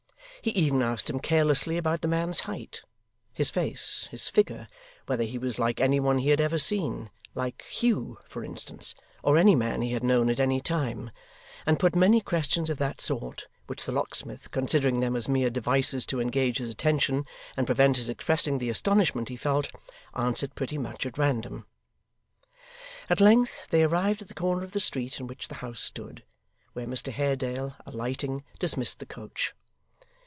He even asked him carelessly about the man's height, his face, his figure, whether he was like any one he had ever seen like Hugh, for instance, or any man he had known at any time and put many questions of that sort, which the locksmith, considering them as mere devices to engage his attention and prevent his expressing the astonishment he felt, answered pretty much at random. At length, they arrived at the corner of the street in which the house stood, where Mr Haredale, alighting, dismissed the coach.